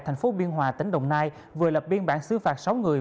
thành phố biên hòa tỉnh đồng nai vừa lập biên bản xứ phạt sáu người